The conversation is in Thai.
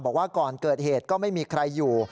บอกว่าก่อนเกิดเหตุก็ไม่มีใครอยู่